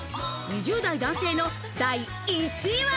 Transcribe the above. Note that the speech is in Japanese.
２０代男性の第１位は？